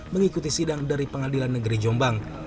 mengikuti sidang dari pengadilan negeri jombang